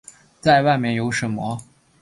再外面有什么